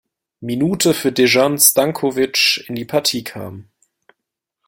Minute für Dejan Stanković in die Partie kam.